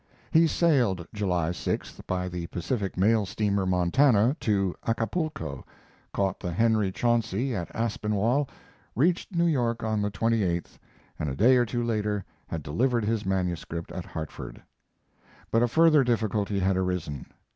] He sailed July 6th by the Pacific mail steamer Montana to Acapulco, caught the Henry Chauncey at Aspinwall, reached New York on the 28th, and a day or two later had delivered his manuscript at Hartford. But a further difficulty had arisen.